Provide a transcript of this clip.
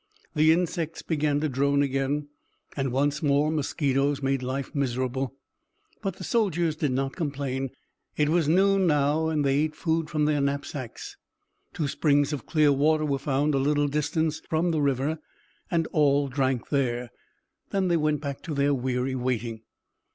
The insects began to drone again, and once more mosquitoes made life miserable. But the soldiers did not complain. It was noon now, and they ate food from their knapsacks. Two springs of clear water were found a little distance from the river and all drank there. Then they went back to their weary waiting.